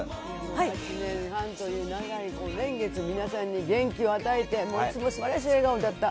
８年半という長い年月、皆さんに元気を与えて、もういつもすばらしい笑顔だった。